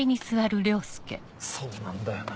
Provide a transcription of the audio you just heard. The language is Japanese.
そうなんだよな。